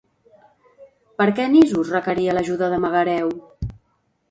Per què Nisos requeria l'ajuda de Megareu?